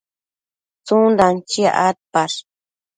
tsundan chiac adpash?